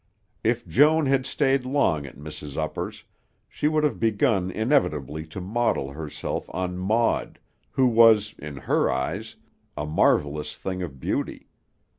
If Joan had stayed long at Mrs. Upper's, she would have begun inevitably to model herself on Maud, who was, in her eyes, a marvelous thing of beauty.